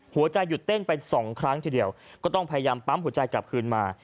หัวใจหยุดเต้นไปสองครั้งทีเดียวก็ต้องพยายามปั๊มหัวใจกลับคืนมา